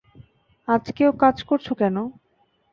আজকেও কাজ করছ কেন?